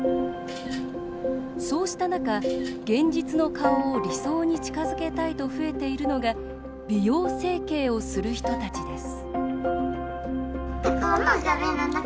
そうした中、現実の顔を理想に近づけたいと増えているのが美容整形をする人たちです。